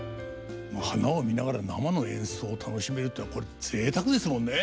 花を見ながら生の演奏を楽しめるっていうのはこれぜいたくですもんね。